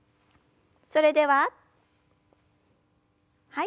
それでははい。